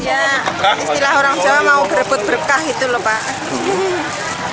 ya istilah orang jawa mau berebut berkah gitu lho pak